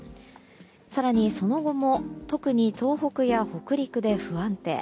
更にその後も特に東北や北陸で不安定。